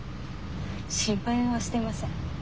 心配はしてません。